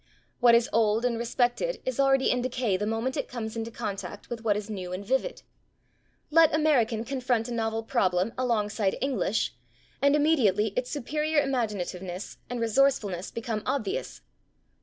What is old and respected is already in decay the moment it comes into contact with what is new and vivid. Let American confront a novel problem alongside [Pg027] English, and immediately its superior imaginativeness and resourcefulness become obvious.